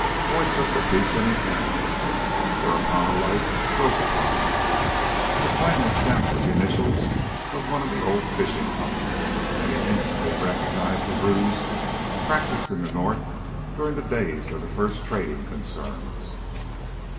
Boyd took the piece and examined it, whereupon a light broke upon him. The coin was stamped with the initials of one of the old fishing companies, and he instantly recognized a ruse practiced in the North during the days of the first trading concerns.